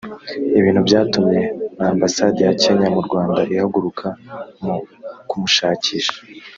ibintu byatumye na Ambassade ya Kenya mu Rwanda ihaguruka mu kumushakisha